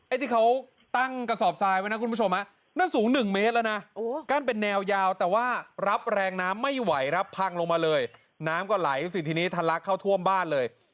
ที่เขาตั้งกระสอบทรายไว้นะคุณผู้ชมนั่นสูง๑เมตรแล้วนะกั้นเป็นแนวยาวแต่ว่ารับแรงน้ำไม่ไหวครับพังลงมาเลยน้ำก็ไหลสิทีนี้ทะลักเข้าท่วมบ้านเลย